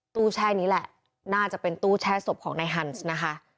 แช่นี้แหละน่าจะเป็นตู้แช่ศพของนายฮันส์นะคะ